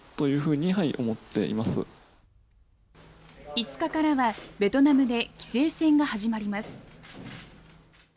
５日からはベトナムで棋聖戦が始まります。